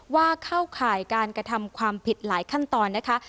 ว่าเข้าข่ายการกระทำความผิดหลายขั้นตอนนะคะ